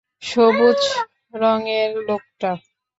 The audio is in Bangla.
সবুজ রংয়ের লোকটা।